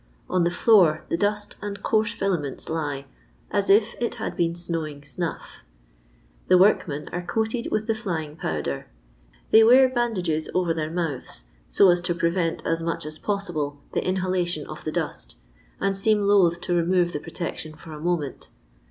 On the floor, the dust and coarse fiUunents lie as if 'it had been snowing ina£' The workmen are coated with the flying powder. They wear bandages over their mouths, so as to prevent as much as possible the inhalation of the dnst, and seem loath to remove the protec tion for a moment.